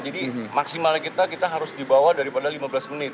jadi maksimalnya kita harus dibawa daripada lima belas menit